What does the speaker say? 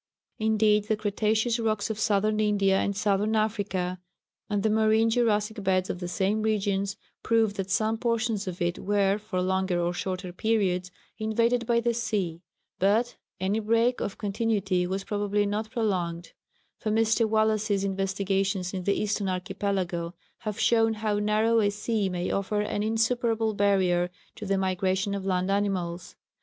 Indeed, the Cretaceous rocks of Southern India and Southern Africa, and the marine Jurassic beds of the same regions, prove that some portions of it were, for longer or shorter periods, invaded by the sea; but any break of continuity was probably not prolonged; for Mr. Wallace's investigations in the Eastern Archipelago have shown how narrow a sea may offer an insuperable barrier to the migration of land animals.